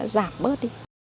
giảm bớt đi